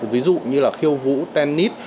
ví dụ như là khiêu vũ tennis